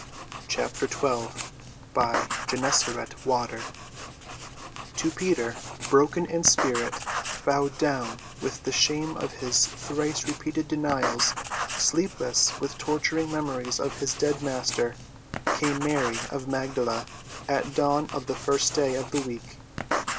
CHAPTER XII BY GENNESARET WATER To Peter, broken in spirit, bowed down with the shame of his thrice‐ repeated denials, sleepless with torturing memories of his dead Master, came Mary of Magdala at dawn of the first day of the week.